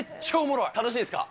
楽しいですか。